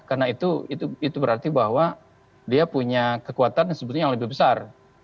karena itu berarti bahwa dia punya kekuatan yang sebetulnya lebih besar